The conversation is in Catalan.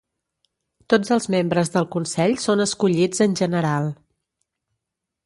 Tot els membres del Consell són escollits en general.